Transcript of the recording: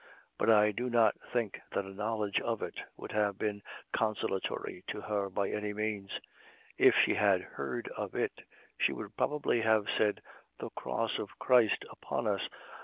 But I do not think that a knowledge of it would have teen consolatory to her by any means. If she had heard of it, she would probably have said, "The cross of Christ upon us.